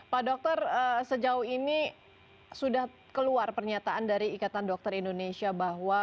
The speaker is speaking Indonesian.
pak dokter sejauh ini sudah keluar pernyataan dari ikatan dokter indonesia bahwa